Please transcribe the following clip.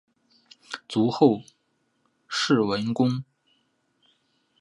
卒后谥文恭。